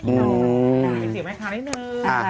อืม